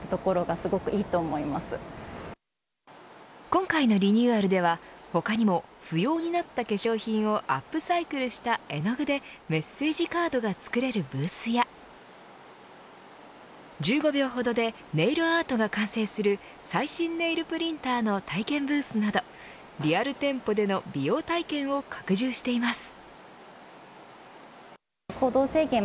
今回のリニューアルでは、他にも不要になった化粧品をアップサイクルした絵具でメッセージカードがつくれるブースや１５秒ほどでネイルアートが完成する最新ネイルプリンターの体験ブースなどリアル店舗での美容体験を拡充しています。